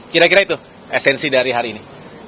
kira kira itu esensi dari hari ini